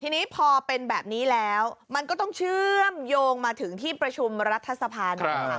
ทีนี้พอเป็นแบบนี้แล้วมันก็ต้องเชื่อมโยงมาถึงที่ประชุมรัฐสภาด้วย